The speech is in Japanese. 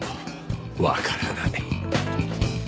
わからない。